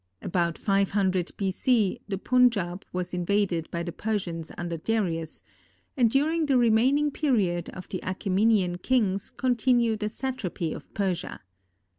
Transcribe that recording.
About 500 B. C., the Punjaub was invaded by the Persians under Darius, and during the remaining period of the Achæmenian kings continued a satrapy of Persia.